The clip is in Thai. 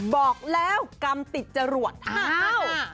บอกแล้วกรรมติดจรวดอ้าว